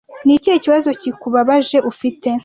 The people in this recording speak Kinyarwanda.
ni ikihe kibazo kikubabaje ufite